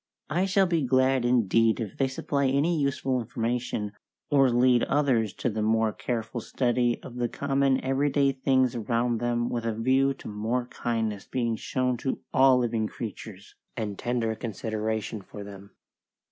I shall be glad indeed if they supply any useful information, or lead others to the more careful study of the common every day things around them with a view to more kindness being shown to all living creatures, and tender consideration for them.